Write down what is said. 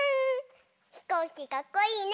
ひこうきかっこいいね！